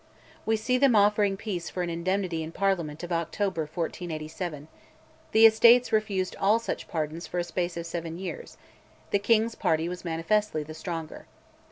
We see them offering peace for an indemnity in a Parliament of October 1487; the Estates refused all such pardons for a space of seven years; the king's party was manifestly the stronger.